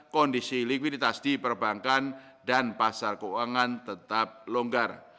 kondisi likuiditas di perbankan dan pasar keuangan tetap longgar